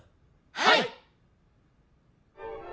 はい！